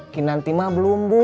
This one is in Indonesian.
kinanti mah belum bu